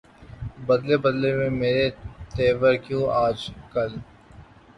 بدلے بدلے ہیں میرے تیور کیوں آج کل